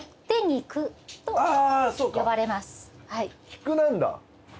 菊なんだ。